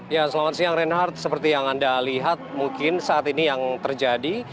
ya selamat siang reinhardt seperti yang anda lihat mungkin saat ini yang terjadi